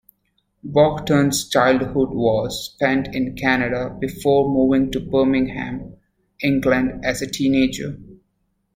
Boughton's childhood was spent in Canada before moving to Birmingham, England as a teenager.